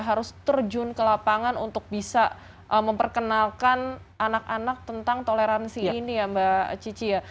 harus terjun ke lapangan untuk bisa memperkenalkan anak anak tentang toleransi ini ya mbak cici ya